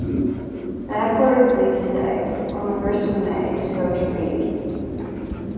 The headquarters leave today, on the first of May to go to Ried.